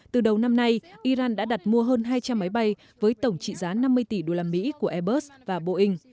từ đầu năm nay iran đã đặt mua hơn hai trăm linh máy bay với tổng trị giá năm mươi tỷ đô la mỹ của airbus và boeing